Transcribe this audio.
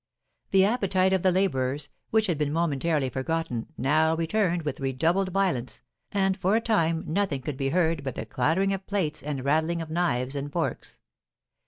The appetite of the labourers, which had been momentarily forgotten, now returned with redoubled violence, and for a time nothing could be heard but the clattering of plates and rattling of knives and forks.